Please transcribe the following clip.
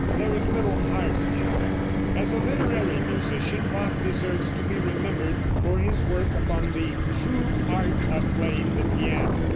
There is little heart in them. As a literary musician Bach deserves to be remembered for his work upon "The True Art of Playing the Piano."